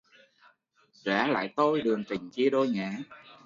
Trả lại tôi đường tình chia đôi ngả